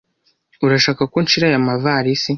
Urashaka ko nshira aya mavalisi?